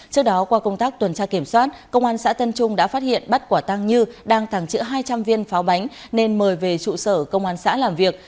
trước đó qua công tác tuần tra kiểm soát công an xã tân trung đã phát hiện bắt quả tăng như đang tàng trữ hai trăm linh viên pháo bánh nên mời về trụ sở công an xã làm việc